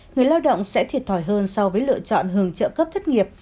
người lao động sẽ thiệt thòi hơn so với lựa chọn hưởng trợ cấp thất nghiệp